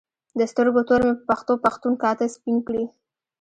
د سترګو تور مې په پښتو پښتون کاته سپین کړي